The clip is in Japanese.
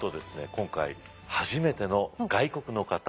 今回初めての外国の方。